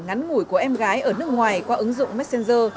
ngắn ngủi của em gái ở nước ngoài qua ứng dụng messenger